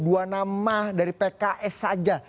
dua nama dari pks saja